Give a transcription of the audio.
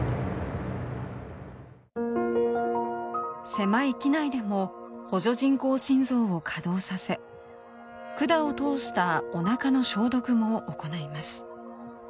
狭い機内でも補助人工心臓を稼働させ管を通したおなかの消毒も行います。